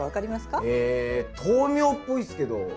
え豆苗っぽいっすけど。